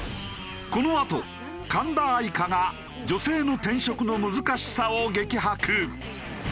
このあと神田愛花が女性の転職の難しさを激白。